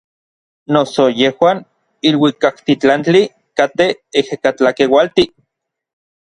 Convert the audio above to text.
Noso yejuan iluikaktitlantij katej ejekatlakeualtij.